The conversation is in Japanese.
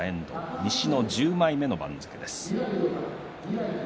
西の１０枚目の番付、遠藤です。